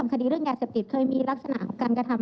มันก็ไม่ใช่วิธีทางที่จะต้องถอดออกนะ